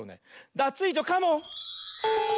ダツイージョカモン！